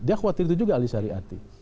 dia khawatir itu juga alisari ati